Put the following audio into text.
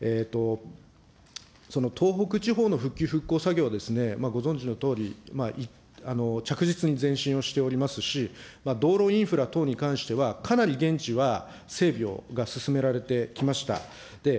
その東北地方の復旧復興作業は、ご存じのとおり、着実に前進をしておりますし、道路インフラ等に関しては、かなり現地は整備が進められてきました。